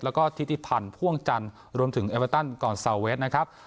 แล้วก็ทิติพันธ์พ่วงจันทร์รวมถึงเอเวอร์ตันก่อนซาเวสนะครับ